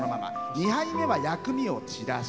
２杯目は薬味を散らし